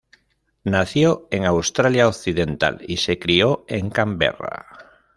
Nació en Australia Occidental y se crio en Canberra.